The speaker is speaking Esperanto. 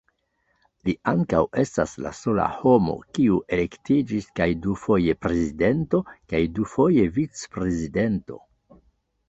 Li ankaŭ estas la sola homo, kiu elektiĝis kaj dufoje prezidento, kaj dufoje vic-prezidento.